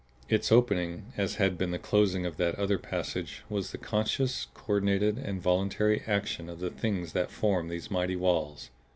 Its opening, as had been the closing of that other passage, was the conscious, coordinate and voluntary action of the Things that formed these mighty walls.